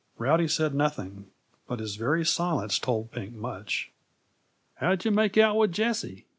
Rowdy said nothing, but his very silence told Pink much. "How'd yuh make out with Jessie?"